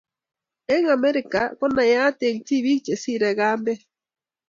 Eng Amerika konayat eng tibiik chesire kambet.